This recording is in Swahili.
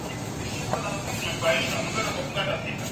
baada ya Saudi Arabia kumuua kiongozi maarufu wa kishia